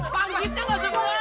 pangsitnya ga seguar